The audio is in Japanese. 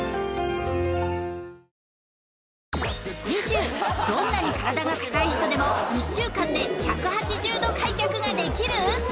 次週どんなに体がかたい人でも１週間で１８０度開脚ができる？